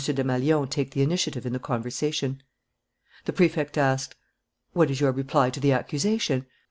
Desmalions take the initiative in the conversation. The Prefect asked: "What is your reply to the accusation?"